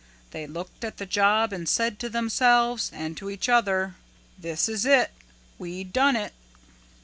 They looked at the job and said to themselves and to each other, 'This is it we done it.'